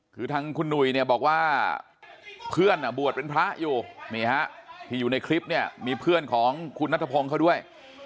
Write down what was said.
คือทางคุณหนุ่ยเนี่ยบอกว่าเพื่อนบวชเป็นพระอยู่นี่ฮะที่อยู่ในคลิปเนี่ยมีเพื่อนของคุณนัทพงศ์เขาด้วย